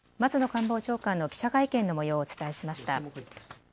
官房長官の記者会見のもようをお伝えしました。